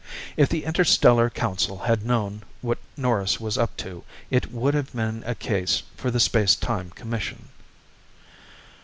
If the Interstellar Council had known what Norris was up to, it would have been a case for the Space Time Commission.